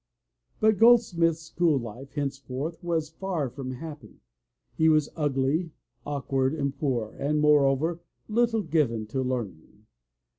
But Goldsmith's school life, henceforth, was far from happy. He was ugly, awkward and poor, and, moreover, little given to learning.